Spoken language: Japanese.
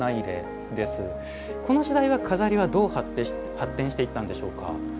この時代は錺はどう発展していったんでしょうか？